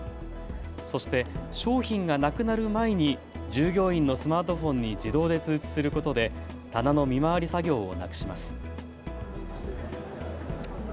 そして商品がなくなる前に従業員のスマートフォンに自動で通知することで棚の見回り作業をなくします。